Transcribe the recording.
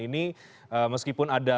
ini meskipun ada